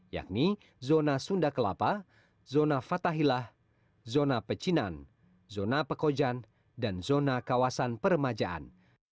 yakni zona sunda kelapa zona fathahilah zona pecinan zona pekojan dan zona kawasan permajaan